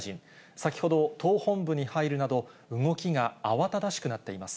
先ほど、党本部に入るなど、動きが慌ただしくなっています。